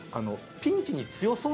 ピンチに強そう？